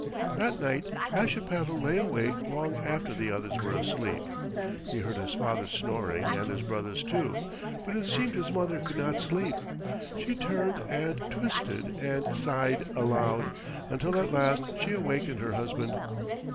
That night Ashipattle lay awake long after the others were asleep. He heard his father snoring and his brothers, too, but it seemed his mother could not sleep. She turned and twisted and sighed aloud, until at last she awakened her husband.